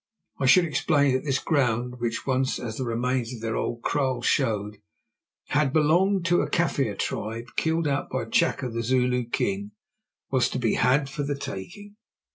I should explain that this ground, which once, as the remains of their old kraals showed, had belonged to a Kaffir tribe killed out by Chaka, the Zulu king, was to be had for the taking.